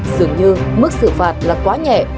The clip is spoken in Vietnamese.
dường như mức xử phạt là quá nhẹ